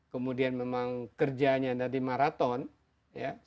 kemudian memang kerjanya dari maraton sampai sore